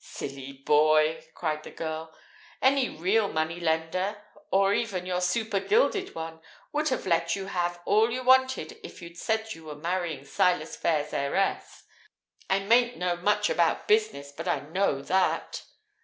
"Silly boy!" cried the girl. "Any real money lender, or even your super, gilded one, would have let you have all you wanted if you'd said you were marrying Silas Phayre's heiress. I mayn't know much about business, but I know that!"